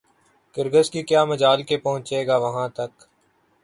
کرگس کی کیا مجال کہ پہنچے گا وہاں تک